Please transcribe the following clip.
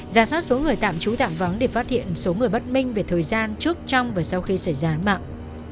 giả soát số người tạm trú tạm vắng để phát hiện số người bất minh về thời gian trước trong và sau khi xảy ra án mạng